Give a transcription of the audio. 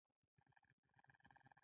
ونې یې لمس کړي